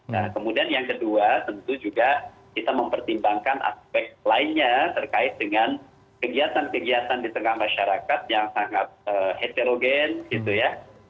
nah kemudian yang kedua tentu juga kita mempertimbangkan aspek lainnya terkait dengan kegiatan kegiatan di tengah masyarakat yang sangat heterogen gitu ya